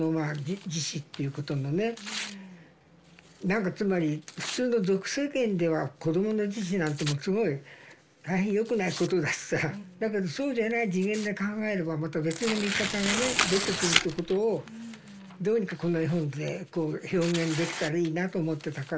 何かつまり普通の俗世間では子供の自死なんてもうすごい大変よくないことだしさだけどそうじゃない次元で考えればまた別の見方がね出てくるってことをどうにかこの絵本でこう表現できたらいいなと思ってたから。